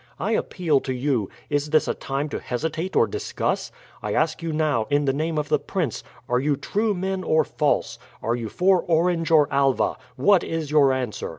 I appeal to you, is this a time to hesitate or discuss? I ask you now, in the name of the prince, are you true men or false? Are you for Orange or Alva? What is your answer?"